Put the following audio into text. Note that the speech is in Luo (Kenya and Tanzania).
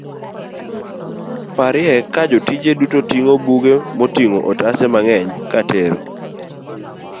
parye ka jotije duto ting'o buge moting'o otase mang'eny katero